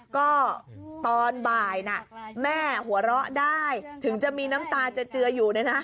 ก็ตอนบ่ายแม่หัวเราะได้ถึงจะมีน้ำตาเจออยู่